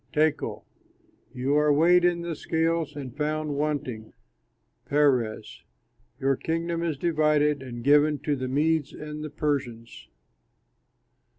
Tekel: you are weighed in the scales and found wanting. Peres: your kingdom is divided and given to the Medes and Persians."